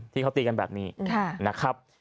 ที่เขาตีกันแบบนี้นะครับ